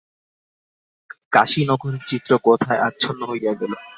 কাশী নগরীর চিত্র কোথায় আচ্ছন্ন হইয়া গেল।